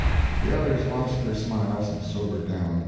The others lost their smiles and sobered down.